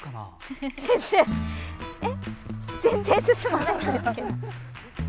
全然進まないんですけど。